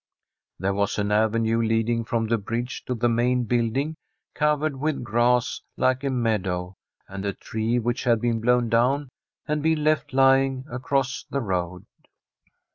There was an ave nue leading from the bridge to the main building, covered with grass, like a meadow, and a tree which had been blown down had been left lying across the road.